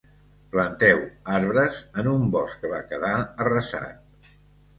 Planteu arbres en un bosc que va quedar arrasat.